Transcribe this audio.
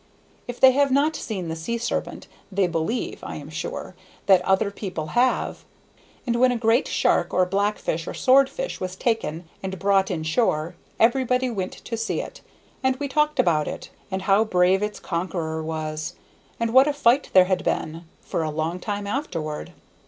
If they have not seen the sea serpent, they believe, I am sure, that other people have, and when a great shark or black fish or sword fish was taken and brought in shore, everybody went to see it, and we talked about it, and how brave its conqueror was, and what a fight there had been, for a long time afterward.